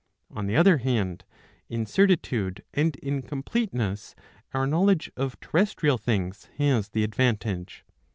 On the other hand, in certitude and in completeness our knowledge of terrestrial things has the advantage.